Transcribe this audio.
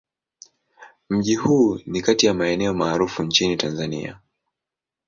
Mji huu ni kati ya maeneo maarufu nchini Tanzania.